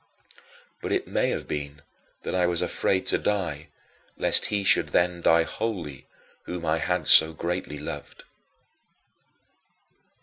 But it may have been that I was afraid to die, lest he should then die wholly whom I had so greatly loved.